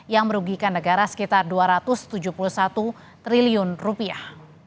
yang merugikan negara sekitar dua ratus tujuh puluh satu triliun rupiah